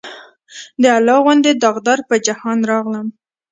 د الله غوندې داغدار پۀ جهان راغلم